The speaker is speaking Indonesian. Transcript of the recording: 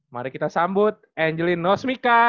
mari kita sambut angelina osmika